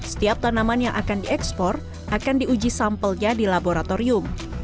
setiap tanaman yang akan diekspor akan diuji sampelnya di laboratorium